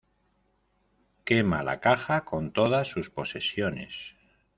Quema la caja con todas sus posesiones.